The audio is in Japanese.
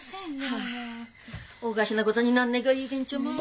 あおかしなごとになんねっがいいげんちょも。